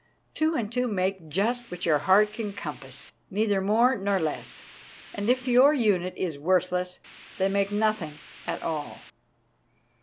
Two and two make just what your heart can compass, neither more nor less, and, if your unit is worth less, they make nothing at all.